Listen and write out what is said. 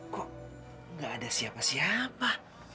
kok gak ada siapa siapa